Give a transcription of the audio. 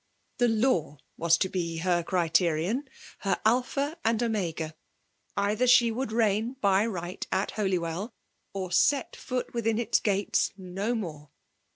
The law was to be her criterion^ her Alpha and Omega* Either die would reign by right at Holywell, 6r set foot within its gates no more.